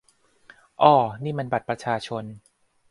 อ่อ นี่มันบัตรประชาชน